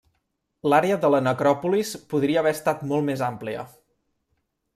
L'àrea de la necròpolis podria haver estat molt més àmplia.